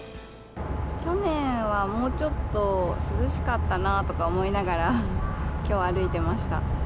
去年はもうちょっと涼しかったなとか思いながら、きょう歩いていました。